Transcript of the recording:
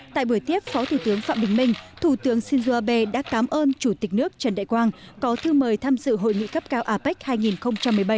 tại buổi tiếp phó thủ tướng phạm bình minh thủ tướng shinzo abe đã cảm ơn chủ tịch nước trần đại quang có thư mời tham dự hội nghị cấp cao apec hai nghìn một mươi bảy